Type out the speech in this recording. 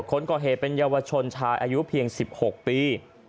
คนก่อเหตุเป็นเยาวชนชายอายุเพียง๑๖ปี